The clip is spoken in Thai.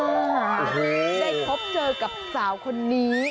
ได้พบเจอกับสาวคนนี้